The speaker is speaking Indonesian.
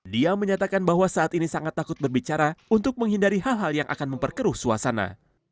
dia menyatakan bahwa saat ini sangat takut berbicara untuk menghindari hal hal yang akan memperkeruh suasana